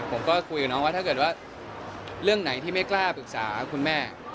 ผมก็คุยกับน้องว่าถ้าเกิดว่าเรื่องไหนที่ไม่กล้าปรึกษาคุณแม่